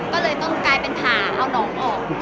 ก็เลยต้องกลายเป็นผ่าเอาน้องออก